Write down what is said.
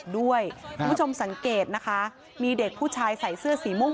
คุณผู้ชมสังเกตนะคะมีเด็กผู้ชายใส่เสื้อสีม่วง